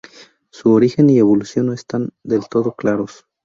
Su origen y evolución no están del todo claros.